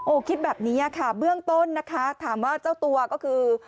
คิดแบบนี้ค่ะเบื้องต้นนะคะถามว่าเจ้าตัวก็คือ